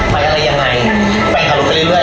ไปอะไรยังไงเฟนข่าวลูกไปเรื่อย